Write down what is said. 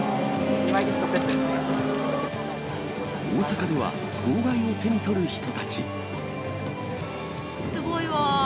大阪では、号外を手に取る人すごいわー。